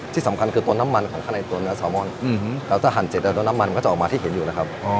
ที่สำคัญคือตัวน้ำมันของข้างในตัวเนื้อซาวมอนแล้วถ้าหั่นเสร็จแล้วตัวน้ำมันก็จะออกมาที่เห็นอยู่นะครับ